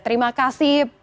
terima kasih pak agung